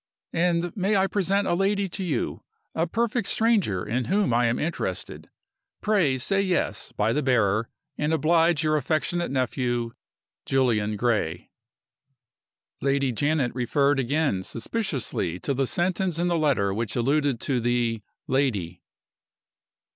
And may I present a lady to you a perfect stranger in whom I am interested? Pray say Yes, by the bearer, and oblige your affectionate nephew, "JULIAN GRAY." Lady Janet referred again suspiciously to the sentence in the letter which alluded to the "lady."